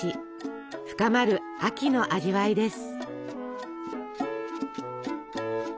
深まる秋の味わいです。